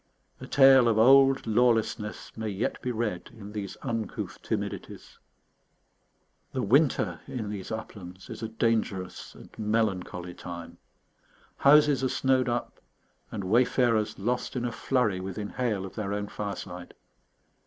A tale of old lawlessness may yet be read in these uncouth timidities. The winter in these uplands is a dangerous and melancholy time. Houses are snowed up, and wayfarers lost in a flurry within hail of their own fireside.